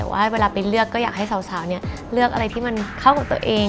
ว่าเวลาไปเลือกก็อยากให้สาวเลือกอะไรที่มันเข้าของตัวเอง